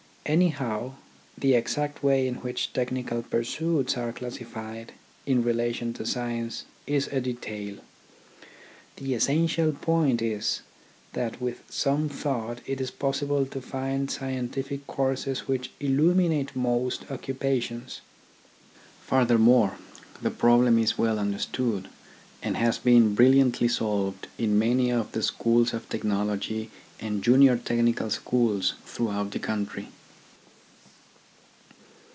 Anyhow the exact way in which technical pursuits are classified in relation to science is a detail. The essential point is, that with some thought it is possible to find scientific courses which illuminate most occupations. Furthermore, the problem is well understood, and has been brilliantly solved in many of the schools of technology and junior technical schools throughout the country.